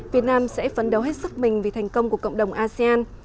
việt nam sẽ phấn đấu hết sức mình vì thành công của cộng đồng asean